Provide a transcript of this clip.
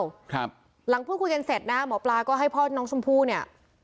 อย่างเดียวครับหลังพื้นคุยกันเสร็จนะหมอปลาก็ให้พ่อน้องชมพู่เนี่ย